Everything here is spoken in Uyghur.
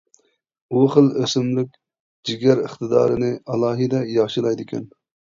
ئۇ خىل ئۆسۈملۈك جىگەر ئىقتىدارنى ئالاھىدە ياخشىلايدىكەن.